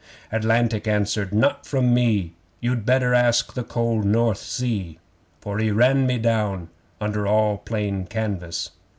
Atlantic answered: 'Not from me! You'd better ask the cold North Sea, For he ran me down under all plain canvas.